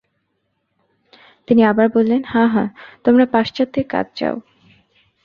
তিনি আবার বললেন হাঁ, হাঁ, তোমরা পাশ্চাত্যেরা কাজ চাও।